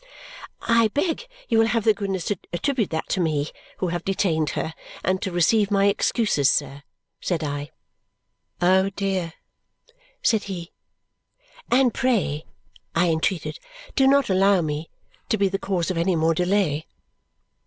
"I beg you will have the goodness to attribute that to me, who have detained her, and to receive my excuses, sir," said I. "Oh, dear!" said he. "And pray," I entreated, "do not allow me to be the cause of any more delay."